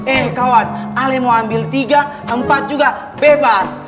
eh kawan kalian mau ambil tiga empat juga bebas